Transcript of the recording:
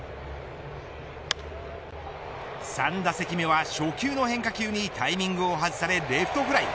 ３打席目は初球の変化球にタイミングを外されレフトフライ。